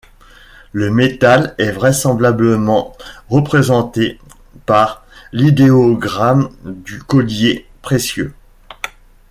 Le métal est vraisemblablement représenté par l'idéogramme du collier précieux.